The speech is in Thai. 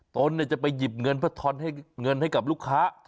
ตนจะไปหยิบเงินเพื่อทอนเงินให้กับลูกค้า